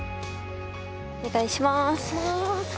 お願いします。